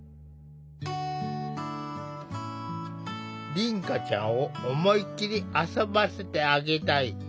凛花ちゃんを思いっきり遊ばせてあげたい。